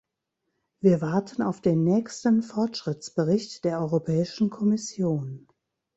Wir warten auf den nächsten Fortschrittsbericht der Europäischen Kommission.